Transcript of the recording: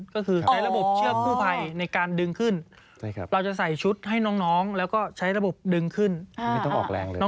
ก็คือใช้ระบบเชือกกู้ภัยในการดึงขึ้นเราจะใส่ชุดให้น้องแล้วก็ใช้ระบบดึงขึ้นไม่ต้องออกแรงเลย